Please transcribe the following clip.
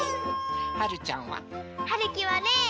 はるちゃんは？はるきはね